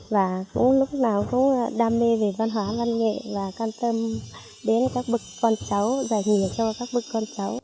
và cũng lúc nào cũng đam mê về văn hóa văn nghệ và can tâm đến các bức con cháu giải nghị cho các bức con cháu